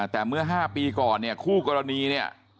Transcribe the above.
แต่เมื่อ๕ปีก่อนเนี่ยคู่กรณีเนี่ย